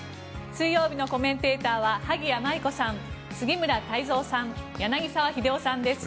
水曜日のコメンテーターは萩谷麻衣子さん杉村太蔵さん、柳澤秀夫さんです